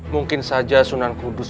mungkin saja sunan kudus